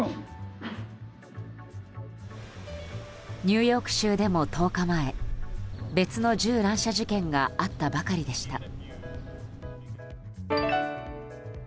ニューヨーク州でも１０日前別の銃乱射事件があったばかりでした。